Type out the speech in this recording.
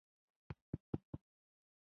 کمېټې بالاخره خپل راپور سنا ته وړاندې کړ.